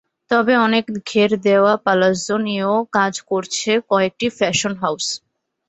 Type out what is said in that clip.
তবে অনেক ঘের দেওয়া পালাজ্জো নিয়েও কাজ করছে কয়েকটি ফ্যাশন হাউস।